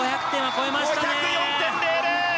５０４．００！